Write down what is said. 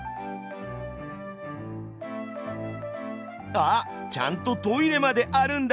あっちゃんとトイレまであるんだ。